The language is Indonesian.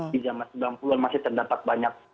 di zaman sembilan puluh an masih terdapat banyak